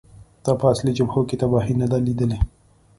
تا په اصلي جبهو کې تباهۍ نه دي لیدلې